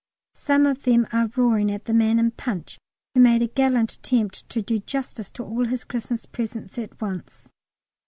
Some of them are roaring at the man in 'Punch' who made a gallant attempt to do justice to all his Xmas presents at once.